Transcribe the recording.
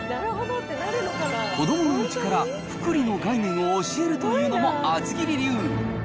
子どものうちから複利の概念を教えるというのも厚切り流。